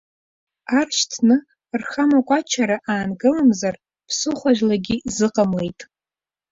Ар шьҭны, рхамакәачра аанкыламзар ԥсыхәажәлагьы зыҟамлеит.